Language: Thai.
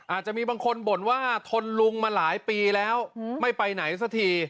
อาจจะมีบางคนบ่นว่าทนลุงมาหลายปีแล้วไม่ไปไหนสักที